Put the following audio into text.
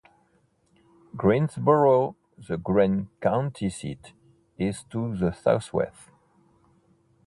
Greensboro, the Greene County seat, is to the southwest.